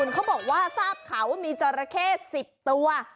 เขาบอกว่าทราบข่าวว่ามีจราเข้๑๐ตัว